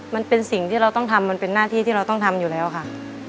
มันเป็นสิ่งที่เราต้องทำมันเป็นหน้าที่ที่เราต้องทำอยู่แล้วค่ะ